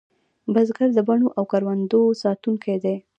بزګر د بڼو او کروندو ساتونکی دی